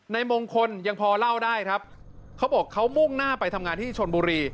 ในมงคลยังพอเล่าได้ครับเขาบอกเขามุ่งหน้าไปทำงานที่ชนบุรี